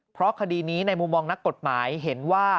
เพราะคดีนี้ในมุมมองนักกฎหมายเห็นว่า